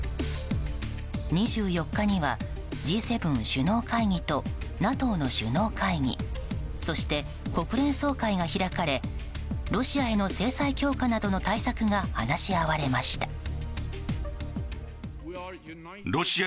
２４日にはＧ７首脳会議とＮＡＴＯの首脳会議そして国連総会が開かれロシアへの制裁強化などの対策が話し合われました。